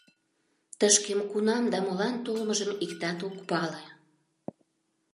Тышке кунам да молан толмыжым иктат ок пале.